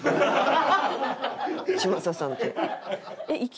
嶋佐さんって。